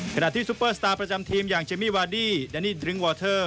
ซุปเปอร์สตาร์ประจำทีมอย่างเจมมี่วาดี้แดนนี่ดริ้งวอลเทอร์